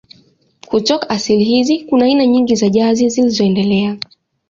Kutoka asili hizi kuna aina nyingi za jazz zilizoendelea.